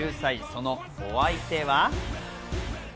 そのお相手は。